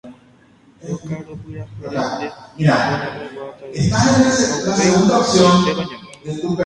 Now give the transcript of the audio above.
Rokarupyhare rire roñomongeta'imi ha upéi rohopaite roñeno.